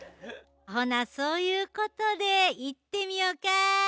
ほなそういうことでいってみよか。